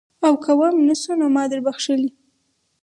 او که وم نه شو نو ما دربخلي.